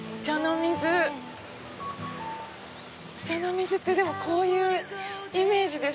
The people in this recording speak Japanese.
御茶ノ水ってこういうイメージです。